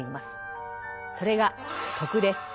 それが「徳」です。